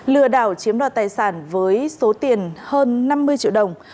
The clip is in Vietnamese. lừa đảo chiếm đoạt tài sản với số tiền hơn năm mươi triệu đồng